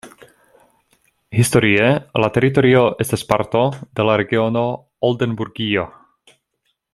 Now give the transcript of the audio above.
Historie la teritorio estas parto de la regiono Oldenburgio.